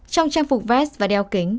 trong trang phục vest và đeo kính